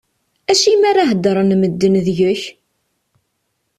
Acimi ara heddren medden deg-k?